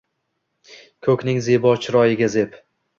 Koʼkning zebo chiroyiga zeb —